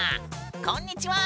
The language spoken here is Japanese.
こんにちは。